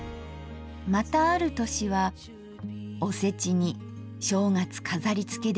またある年は「おせち煮正月かざりつけで忙しい」。